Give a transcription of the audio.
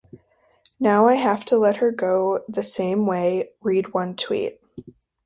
Now I have to let her go the same way, read one tweet.